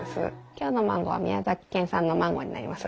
今日のマンゴーは宮崎県産のマンゴーになります。